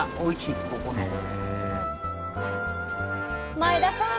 前田さん